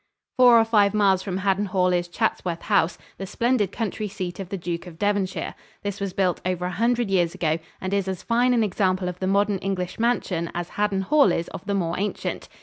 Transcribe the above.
Four or five miles from Haddon Hall is Chatsworth House, the splendid country seat of the Duke of Devonshire. This was built over a hundred years ago and is as fine an example of the modern English mansion as Haddon Hall is of the more ancient.